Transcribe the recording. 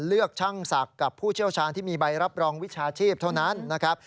เลือกช่างศักดิ์กับผู้เชี่ยวชาญที่มีใบรับรองวิชาชีพเท่านั้นนะครับ